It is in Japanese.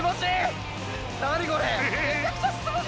何これ。